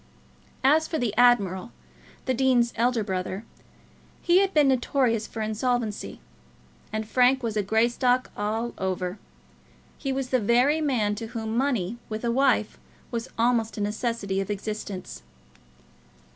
As for the admiral, the dean's elder brother, he had been notorious for insolvency; and Frank was a Greystock all over. He was the very man to whom money with a wife was almost a necessity of existence.